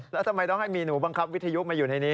แล้วทำไมต้องให้มีหนูบังคับวิทยุมาอยู่ในนี้